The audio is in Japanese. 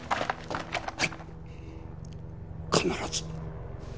はい必ず。